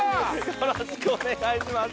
よろしくお願いします。